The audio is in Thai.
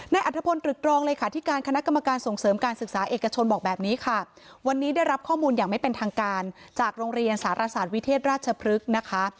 อัธพลตรึกรองเลยค่ะที่การคณะกรรมการส่งเสริมการศึกษาเอกชนบอกแบบนี้ค่ะวันนี้ได้รับข้อมูลอย่างไม่เป็นทางการจากโรงเรียนสารศาสตร์วิเทศราชพฤกษ์นะคะ